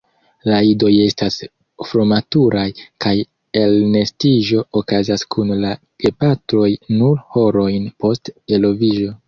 La idoj estas frumaturaj, kaj elnestiĝo okazas kun la gepatroj nur horojn post eloviĝo.